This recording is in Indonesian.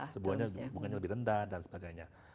sama bunganya lebih rendah dan sebagainya